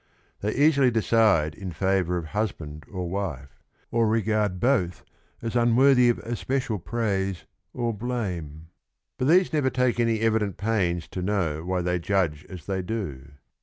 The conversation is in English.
They easily decide in favor of husband or wife, or regard both as unworthy of especial praise or blame. But these never take any evident pains to know why they judge as they do.